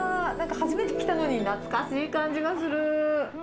初めて来たのに、懐かしい感じがする。